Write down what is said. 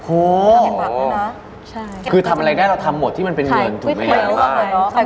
โอ้โหคือทำอะไรได้เราทำหมดที่มันเป็นเงินถูกไหมครับ